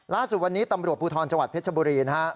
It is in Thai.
ล่าสุดวันนี้ตำรวจภูทรจังหวัดเพชรบุรีนะครับ